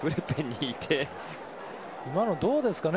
今のはどうですかね？